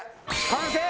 完成！